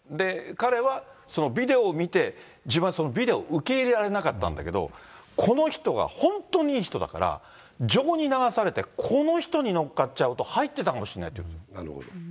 彼は、そのビデオを見て、自分はそのビデオを受け入れられなかったんだけど、この人が本当にいい人だから、情に流されて、この人にのっかっちゃうと、入ってたかもしれないって。